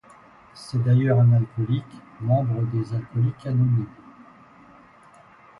C'est d'ailleurs un alcoolique, membre des alcooliques anonymes.